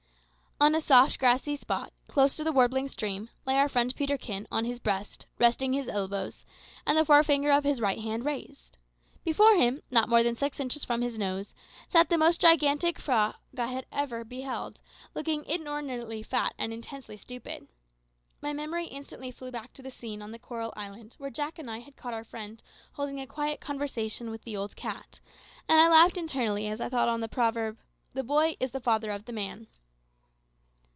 On a soft grassy spot, close to the warbling stream, lay our friend Peterkin, on his breast, resting on his elbows, and the forefinger of his right hand raised. Before him, not more than six inches from his nose, sat the most gigantic frog I ever beheld, looking inordinately fat and intensely stupid. My memory instantly flew back to the scene on the coral island where Jack and I had caught our friend holding a quiet conversation with the old cat, and I laughed internally as I thought on the proverb, "The boy is the father of the man."